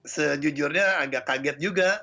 sejujurnya agak kaget juga